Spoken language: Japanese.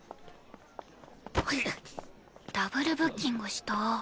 ダブルブッキングした。